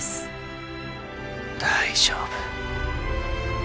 大丈夫。